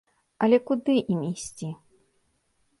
Але куды ім ісці?